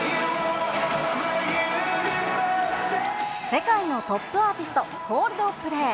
世界のトップアーティスト、コールドプレイ。